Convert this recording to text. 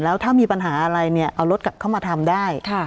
แล้วถ้ามีปัญหาอะไรเนี่ยเอารถกลับเข้ามาทำได้